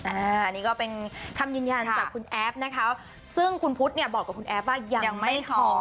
อันนี้ก็เป็นคำยืนยันจากคุณแอฟนะคะซึ่งคุณพุทธเนี่ยบอกกับคุณแอฟว่ายังไม่พอ